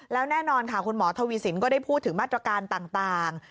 แล้วแน่นอนค่ะคุณหมอทวีสินก็ได้พูดถึงมาตรการต่าง